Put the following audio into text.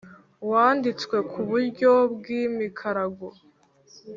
wanditswe ku buryo bw’imikarago,